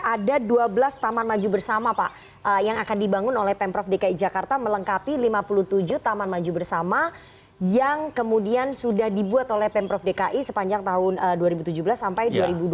ada dua belas taman maju bersama pak yang akan dibangun oleh pemprov dki jakarta melengkapi lima puluh tujuh taman maju bersama yang kemudian sudah dibuat oleh pemprov dki sepanjang tahun dua ribu tujuh belas sampai dua ribu dua puluh